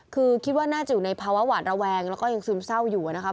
คือคิดว่าน่าจะอยู่ในภาวะหวาดระแวงแล้วก็ยังซึมเศร้าอยู่นะครับ